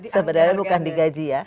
sebenarnya bukan digaji ya